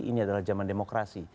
ini adalah zaman demokrasi